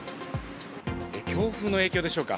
強風の影響でしょうか。